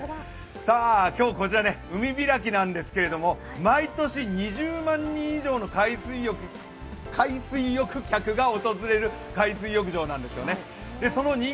さあ、今日こちら海開きなんですけれども、毎年２０万人以上の海水浴客が訪れる海水浴場なんですよね。